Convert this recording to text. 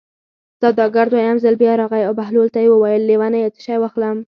سوداګر دویم ځل بیا راغی او بهلول ته یې وویل: لېونیه څه شی واخلم.